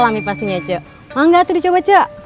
mangga tuh dicoba